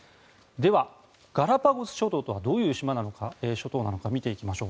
では、ガラパゴス諸島とはどういう島なのか見ていきましょう。